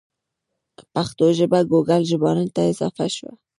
پښتو ژبه ګوګل ژباړن ته اضافه شوه.